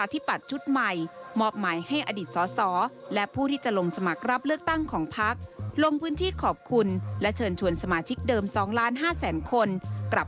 ติดตามจากรอยงานครับ